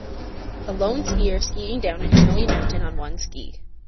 a lone skier skiing down a snowy mountain on one ski